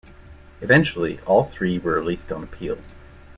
Eventually, all three were released on appeal.